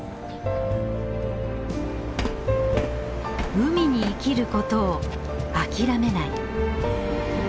海に生きることを諦めない。